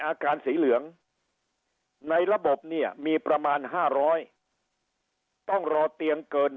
อาการสีเหลืองในระบบเนี่ยมีประมาณ๕๐๐ต้องรอเตียงเกิน